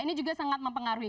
ini juga sangat mempengaruhi